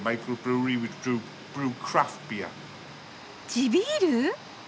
地ビール！？